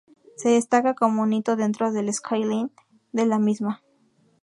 Se destaca como un hito dentro del skyline de la misma.